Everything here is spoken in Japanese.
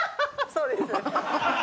そうです。